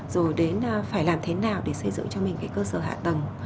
rồi đến phải làm thế nào để xây dựng cho mình cái cơ sở hạ tầng